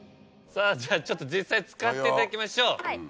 さぁじゃあ実際に使っていただきましょう。